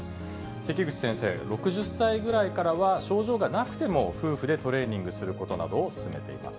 関口先生、６０歳ぐらいからは、症状がなくても、夫婦でトレーニングすることなどを勧めています。